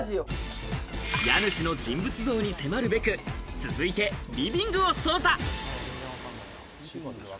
家主の人物像に迫るべく、続いてリビングを捜査。